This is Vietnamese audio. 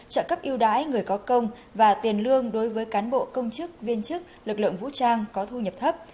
trợ cấp yêu đái người có công và tiền lương đối với cán bộ công chức viên chức lực lượng vũ trang có thu nhập thấp